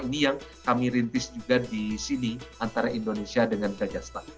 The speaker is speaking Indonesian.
ini yang kami rintis juga di sini antara indonesia dengan kajastan